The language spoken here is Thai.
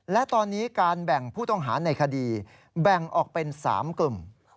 และตอนนี้การแบ่งผู้ต้องหาในคดีแบ่งออกเป็น๓กลุ่ม